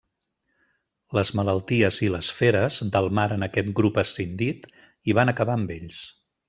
Les malalties i les feres delmaren aquest grup escindit i van acabar amb ells.